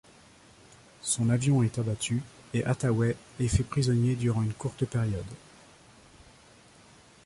Son avion est abattu et Hathaway est fait prisonnier durant une courte période.